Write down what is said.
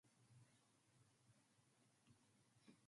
Xylitol is used as a sweetener in medicines, chewing gum and pastilles.